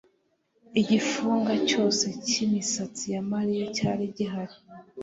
Igifunga cyose cyimisatsi ya Mariya cyari gihari